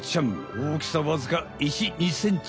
おおきさわずか１２ｃｍ。